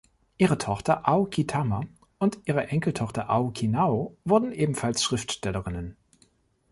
Ihre Tochter Aoki Tama und ihre Enkeltochter Aoki Nao wurden ebenfalls Schriftstellerinnen.